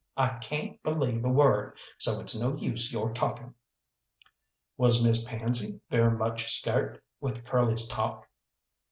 I cayn't believe a word, so it's no use your talking." "Was Miss Pansy very much scart with Curly's talk?"